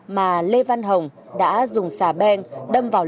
mà lê văn hồng đã dùng xà bèn đâm vào nhà